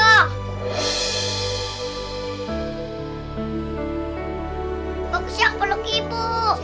aku bisa peluk ibu